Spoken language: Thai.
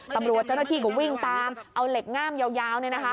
ตำรวจเจ้าหน้าที่ก็วิ่งตามเอาเหล็กง่ามยาว